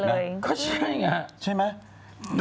ต่อมาเลยก็ใช่ไงใช่ไหม